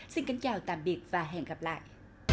xin kính chào tạm biệt và hẹn gặp lại